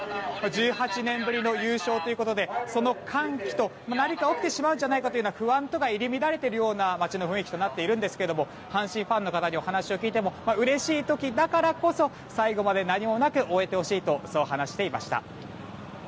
１８年ぶりの優勝ということでその歓喜と何か起きてしまうんじゃないかという不安とが入り乱れているような街の雰囲気となっているんですが阪神ファンの方にお話を聞いてもうれしい時だからこそ最後まで何もなく終えてほしいと話していました。